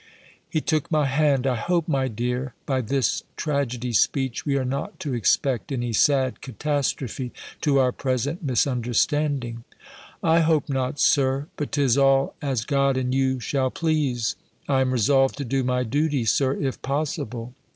He took my hand: "I hope, my dear, by this tragedy speech, we are not to expect any sad catastrophe to our present misunderstanding." "I hope not, Sir. But 'tis all as God and you shall please. I am resolved to do my duty, Sir, if possible.